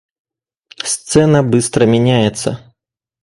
Сцена быстро меняется.